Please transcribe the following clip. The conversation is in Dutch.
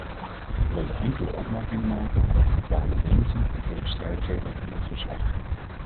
Ik wilde enkele opmerkingen maken over bepaalde leemten en tegenstrijdigheden in het verslag.